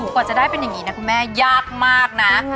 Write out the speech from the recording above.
กว่าจะได้เป็นอย่างนี้นะคุณแม่ยากมากนะ